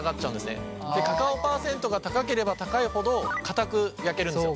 カカオ％が高ければ高いほどかたく焼けるんですよ。